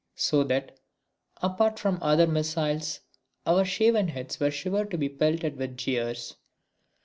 So that, apart from other missiles, our shaven heads were sure to be pelted with jeers.